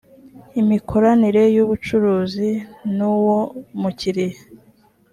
imikoranire y’ubucuruzi n’uwo mukiriya